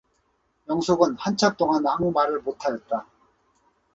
영숙은 한참 동안 아무 말을 못 하였다.